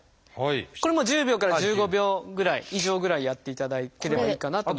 これも１０秒から１５秒ぐらい以上ぐらいやっていただければいいかなと。